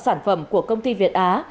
sản phẩm của công ty việt á